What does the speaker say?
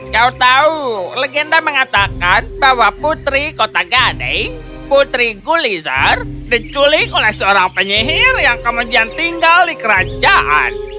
kau tahu legenda mengatakan bahwa putri kota gane putri gulizar diculik oleh seorang penyihir yang kemudian tinggal di kerajaan